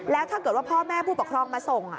แล้วถ้าเกิดว่าพ่อแม่ผู้ปกครองมาส่ง